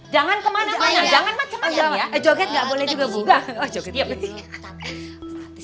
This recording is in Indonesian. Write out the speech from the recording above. jangan kemana mana jangan jangan jangan